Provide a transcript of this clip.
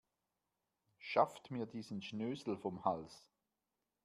Schafft mir diesen Schnösel vom Hals.